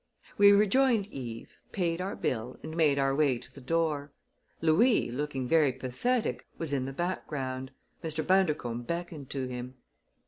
We rejoined Eve, paid our bill, and made our way to the door. Louis, looking very pathetic, was in the background. Mr. Bundercombe beckoned to him.